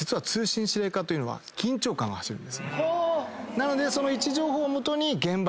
なので。